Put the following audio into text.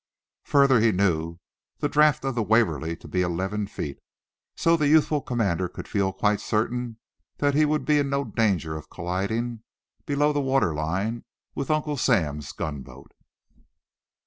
Further, he knew the draft of the "Waverly" to be eleven feet. So the youthful commander could feel quite certain that he would be in no danger of colliding, below the water line, with Uncle Sam's gunboat.